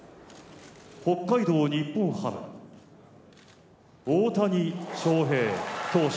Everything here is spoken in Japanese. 北海道日本ハム大谷翔平投手